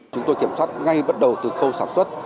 chúng tôi kiểm soát ngay bắt đầu từ khâu sản xuất